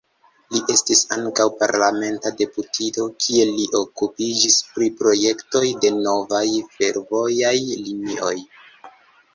Li estis ankaŭ parlamenta deputito, kie li okupiĝis pri projektoj de novaj fervojaj linioj.